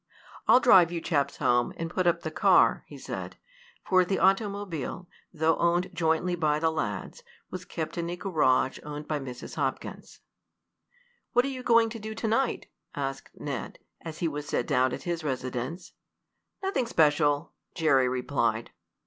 "I'll drive you chaps home, and put up the car," he said, for the automobile, though owned jointly by the lads, was kept in a garage owned by Mrs. Hopkins. "What are you going to do to night?" asked Ned, as he was set down at his residence. "Nothing special," Jerry replied.